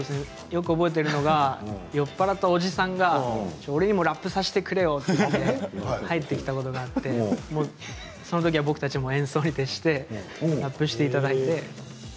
よく覚えてるのが酔っ払ったおじさんが俺にもラップをさせてくれよと入ってきたことがあってそのときは僕たちは演奏に徹してラップをしていただいて。